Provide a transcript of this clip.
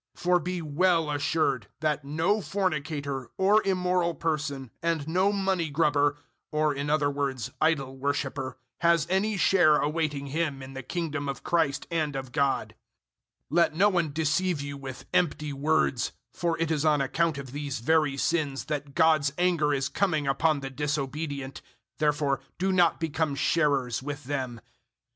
005:005 For be well assured that no fornicator or immoral person and no money grubber or in other words idol worshipper has any share awaiting him in the Kingdom of Christ and of God. 005:006 Let no one deceive you with empty words, for it is on account of these very sins that God's anger is coming upon the disobedient. 005:007 Therefore do not become sharers with them.